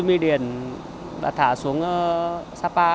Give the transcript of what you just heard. suy my điền đã thả xuống sapa